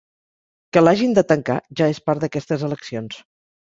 Que l’hàgim de tancar ja és part d’aquestes eleccions.